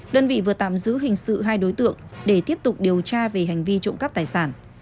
đơn vị vừa tạm giữ hình sự hai đối tượng để tiếp tục điều tra về hành vi trộm cắp tài sản